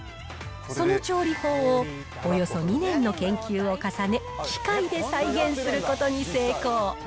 その調理法をおよそ２年の研究を重ね、機械で再現することに成功。